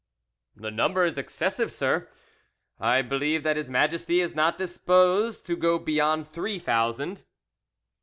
"The number is excessive, sir. I believe that His Majesty is not disposed to go beyond three thousand."